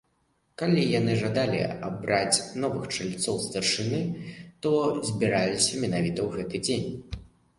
Калі яны жадалі абраць новых чальцоў старшыны, то збіраліся менавіта ў гэты дзень.